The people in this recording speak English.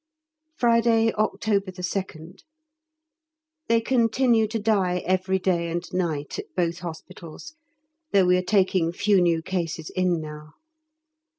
Friday, October 2nd. They continue to die every day and night at both Hospitals, though we are taking few new cases in now.